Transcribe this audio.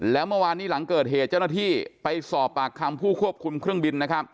แล้วเมื่อวานนี้หลังเกิดเหตุเจ้าหน้าที่ไปสอบปากคำผู้ควบคุมเครื่องบินนะครับ